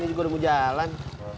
iya ia juga udah mau jalan